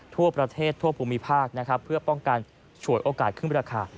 ทั่วประเทศทั่วภูมิภาคนะครับเพื่อป้องกันฉวยโอกาสขึ้นราคา